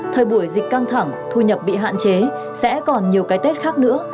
thời buổi dịch căng thẳng thu nhập bị hạn chế sẽ còn nhiều cái tết khác nữa